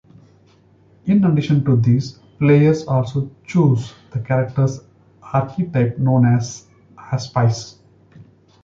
In addition to these, players also choose the character's archetype known as an Auspice.